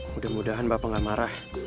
mudah mudahan bapak gak marah